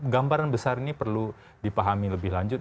gambaran besar ini perlu dipahami lebih lanjut